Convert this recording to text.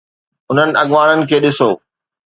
هنن اڳواڻن کي ڏسو.